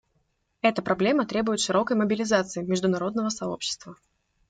Эта проблема требует широкой мобилизации международного сообщества.